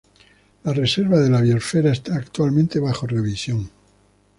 La reserva de la biosfera está actualmente bajo revisión.